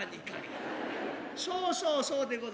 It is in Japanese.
そうそうそうそうでございます。